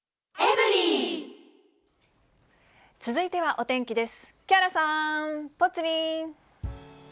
続いてはお天気です。